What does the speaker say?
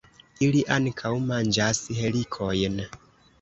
Ili ankaŭ manĝas helikojn.